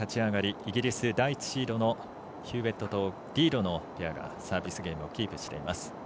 イギリス、第１シードのヒューウェットとリードのペアがサービスゲームをキープしています。